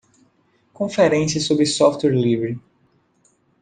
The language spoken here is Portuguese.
Conferências sobre software livre.